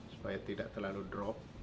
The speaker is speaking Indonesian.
supaya tidak terlalu drop